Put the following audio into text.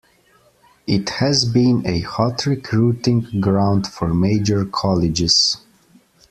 It has been a hot recruiting ground for major colleges.